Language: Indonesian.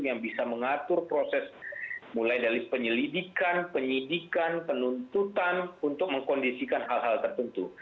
yang bisa mengatur proses mulai dari penyelidikan penyidikan penuntutan untuk mengkondisikan hal hal tertentu